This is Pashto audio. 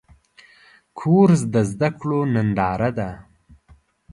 کورس د زده کړو ننداره ده.